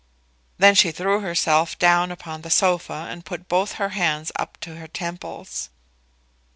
Then she threw herself down upon the sofa, and put both her hands up to her temples.